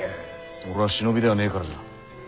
俺は忍びではねえからじゃ。